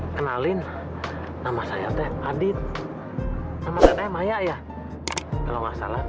kenalin nama saya teh adit sama saya maya ya kalau masalah